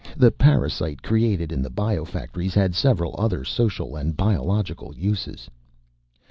The parasite, created in the bio factories, had several other social and biological uses.